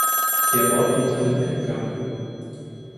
Der Ort liegt an der Pinka.